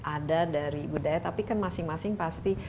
ada dari budaya tapi kan masing masing pasti